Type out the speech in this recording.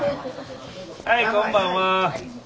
はいこんばんは。